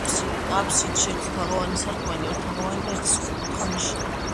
აბსიდში ერთი თაღოვანი სარკმელი, ორი თაღოვანი და ერთი სწორკუთხა ნიშია.